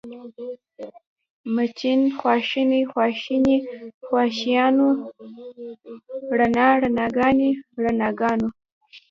مېچن، خواښې، خواښیانې، خواښیانو، رڼا، رڼاګانې، رڼاګانو